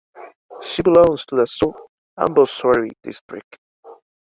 She belongs to the South Amboasary district.